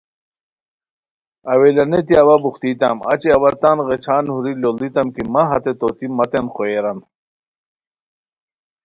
اولانیتی اوا بوختیتام اچی اوا تان غیچھان ہوری لوڑیتام کی مہ ہتےطوطی متین قوئیران